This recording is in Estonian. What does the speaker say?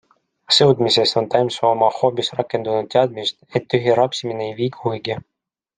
Sõudmisest on Taimsoo oma hobis rakendanud teadmist, et tühi rapsimine ei vii kuhugi.